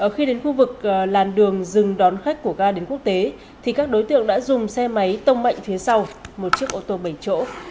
khi đến khu vực làn đường dừng đón khách của ga đến quốc tế thì các đối tượng đã dùng xe máy tông mạnh phía sau một chiếc ô tô bảy chỗ